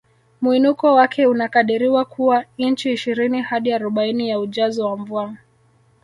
Mwinuko wake unakadiriwa kuwa inchi ishirini hadi arobaini ya ujazo wa mvua